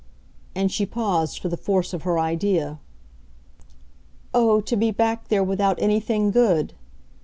And she paused for the force of her idea. "Oh, to be back there without anything good